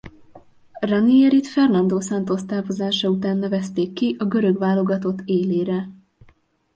Ranierit Fernando Santos távozása után nevezték ki a görög válogatott élére.